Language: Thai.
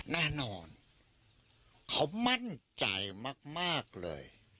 แน่นอนเขามั่นใจมากเลย